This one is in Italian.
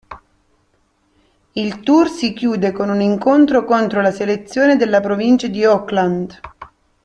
Il tour si chiude con un incontro contro la selezione della provincia di Auckland.